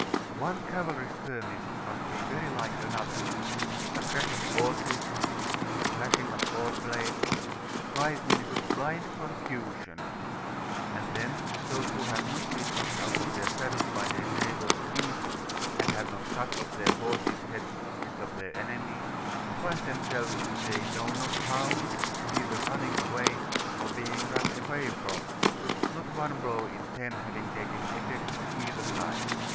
One cavalry skirmish must be very like another. A crash of horses, a flashing of sword blades, five minutes of blind confusion, and then those who have not been knocked out of their saddles by their neighbours' knees, and have not cut off their own horses' heads instead of their enemies', find themselves, they know not how, either running away or being run away from not one blow in ten having taken effect on either side.